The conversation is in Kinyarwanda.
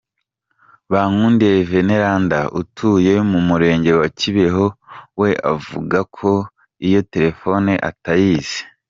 Bankundiye Veneranda, utuye mu Murenge wa Kibeho, we avuga ko iyo telefone atayizi.